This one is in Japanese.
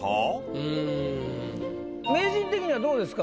うん名人的にはどうですか？